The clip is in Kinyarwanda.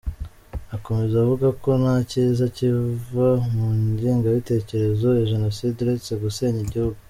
Akomeza avuga ko nta cyiza kiva mu ngengabitekerezo ya Jenoside uretse gusenya igihugu.